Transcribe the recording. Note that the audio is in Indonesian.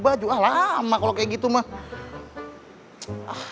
baju ah lama kalau kayak gitu mah